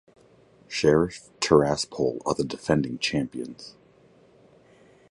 Sheriff Tiraspol are the defending champions.